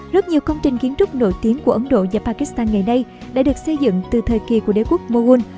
rất nhiều công trình kiến trúc nổi tiếng của ấn độ và pakistan ngày nay đã được xây dựng từ thời kỳ của đế quốc moghun